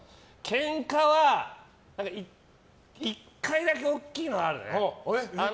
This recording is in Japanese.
ケンカは１回だけ大きいのあるね。